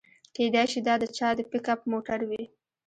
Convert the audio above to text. کیدای شي دا د چا د پیک اپ موټر وي